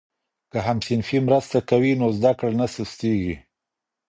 که همصنفي مرسته کوي نو زده کړه نه سستېږي.